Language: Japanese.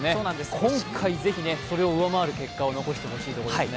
今回ぜひそれを上回る結果を残してほしいです。